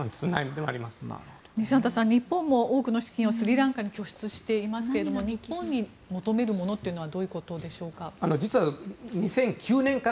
にしゃんたさん日本も多くの資金をスリランカに拠出していますが日本に求めるものはどういうことでしょうか。